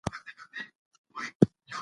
هغه له خپل ځایه پاڅېږي او څراغ بلوي.